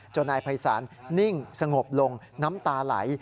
นายภัยศาลนิ่งสงบลงน้ำตาไหล